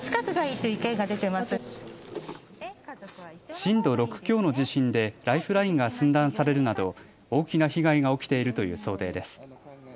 震度６強の地震でライフラインが寸断されるなど大きな被害が起きているという想定です。